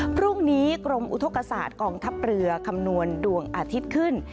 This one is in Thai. พรุ่งนี้กรมอุทธกษาตกองทัพเรือคำนวณดวงอาทิตย์ขึ้น